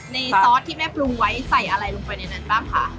ซอสที่แม่ปรุงไว้ใส่อะไรลงไปในนั้นบ้างคะ